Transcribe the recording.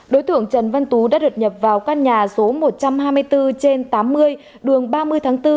đối tượng trần văn tú đã đột nhập vào căn nhà số một trăm hai mươi bốn trên tám mươi đường ba mươi tháng bốn